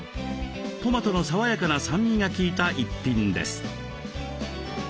トマトの爽やかな酸味が効いた一品です。